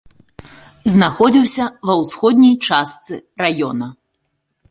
Знаходзіўся ва ўсходняй частцы раёна.